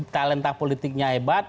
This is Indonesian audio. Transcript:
talenta politiknya hebat